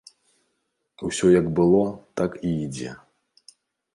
Усё як было, так і ідзе.